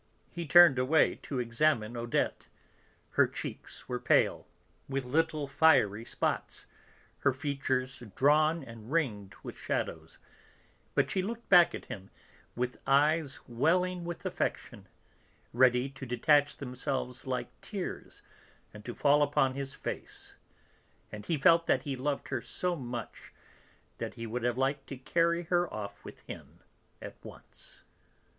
He turned away to examine Odette; her cheeks were pale, with little fiery spots, her features drawn and ringed with shadows; but she looked back at him with eyes welling with affection, ready to detach themselves like tears and to fall upon his face, and he felt that he loved her so much that he would have liked to carry her off with him at once.